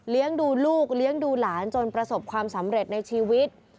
ดูลูกเลี้ยงดูหลานจนประสบความสำเร็จในชีวิต